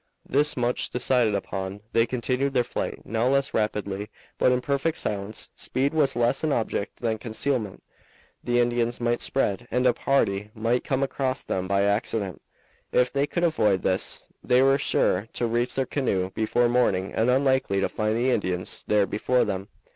This much decided upon, they continued their flight, now less rapidly, but in perfect silence. Speed was less an object than concealment. The Indians might spread, and a party might come across them by accident. If they could avoid this, they were sure to reach their canoe before morning and unlikely to find the Indians there before them.